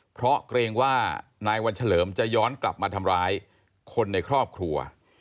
เพราะเกรงว่านายวันเฉลิมจะย้อนกลับมาทำร้ายคนในครอบครัว